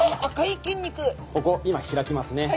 ここ今開きますね。